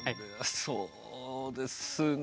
そうですね